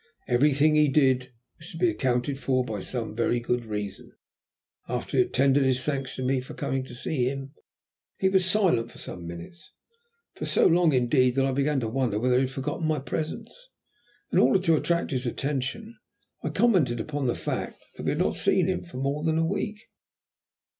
Everything he did was to be accounted for by some very good reason. After he had tendered his thanks to me for coming to see him, he was silent for some minutes, for so long indeed that I began to wonder whether he had forgotten my presence. In order to attract his attention I commented upon the fact that we had not seen him for more than a week.